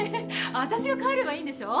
私が帰ればいいんでしょ。